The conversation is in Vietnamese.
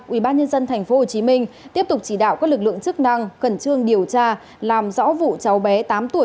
ubnd tp hcm tiếp tục chỉ đạo các lực lượng chức năng khẩn trương điều tra làm rõ vụ cháu bé tám tuổi